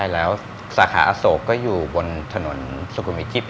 แล้วสาขาอโศกก็อยู่บนถนนสุขุมวิทิพย